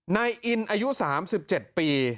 นายอินอายุ๓๗ปี